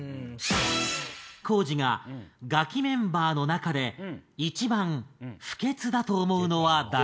光司がガキメンバーの中で一番不潔だと思うのは誰？